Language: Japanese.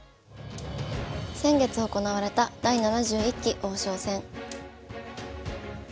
先月行われた第７１期王将戦。